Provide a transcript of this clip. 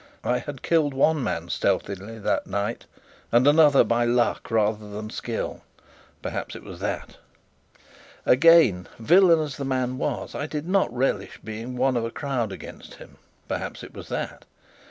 I had killed one man stealthily that night, and another by luck rather than skill perhaps it was that. Again, villain as the man was, I did not relish being one of a crowd against him perhaps it was that.